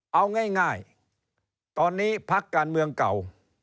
เอาง่ายตอนนี้พักการเมืองเก่า